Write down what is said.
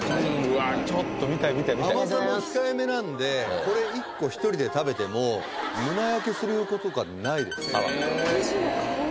うわっちょっと見たい見たい見たい甘さも控えめなんでこれ１個１人で食べても胸焼けすることがないです